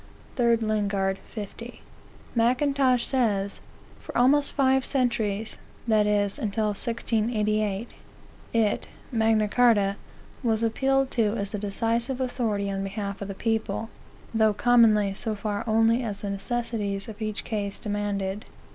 3 Lingard, 50. Mackintosh says, "For almost five centuries (that is, until 1688) it (Magna Carta) was appealed to as the decisive authority on behalf of the people, though commonly so far only as the necessities of each case demanded."